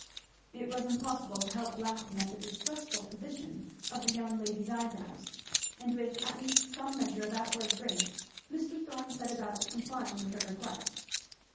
It was impossible to help laughing at the distressful position of the young lady's eyebrows, and with at least some measure of outward grace Mr. Thorn set about complying with her request.